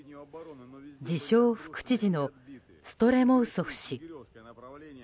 自称副知事のストレモウソフ氏。